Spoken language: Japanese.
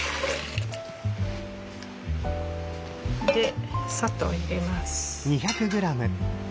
で砂糖入れます。